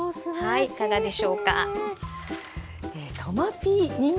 はいいかがでしょうか。